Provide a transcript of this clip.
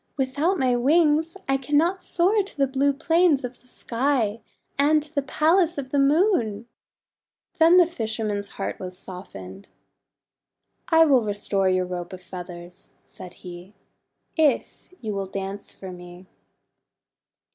Without my wings I cannot soar to the blue plains of the sky, and to the Palace of the Moon." Then the fisherman's heart was softened. ;<I will restore your Robe of Feathers/' he said, "if you will dance for me."